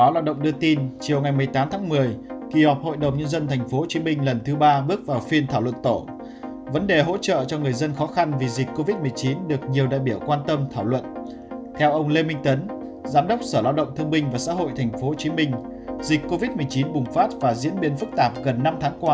các bạn hãy đăng kí cho kênh lalaschool để không bỏ lỡ những video hấp dẫn